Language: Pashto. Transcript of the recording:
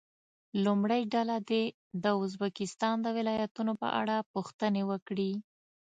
لومړۍ ډله دې د ازبکستان د ولایتونو په اړه پوښتنې وکړي.